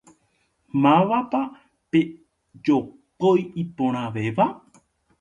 Mávapa pe jopói iporãvéva?